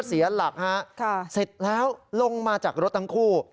เสร็จแล้วลงมาจากรถทั้งคู่